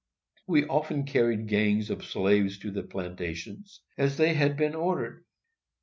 We often carried gangs of slaves to the plantations, as they had been ordered.